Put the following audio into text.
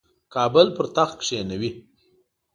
کابل پر تخت کښېنوي.